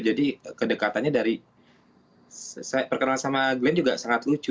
jadi kedekatannya dari saya perkenalan sama glenn juga sangat lucu